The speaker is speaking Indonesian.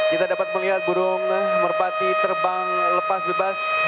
kita dapat melihat burung merpati terbang lepas bebas